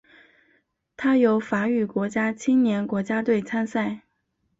它由法语国家青年国家队参赛。